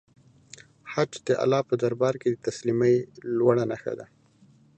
حج د الله په دربار کې د تسلیمۍ لوړه نښه ده.